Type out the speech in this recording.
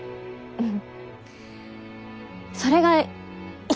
うん。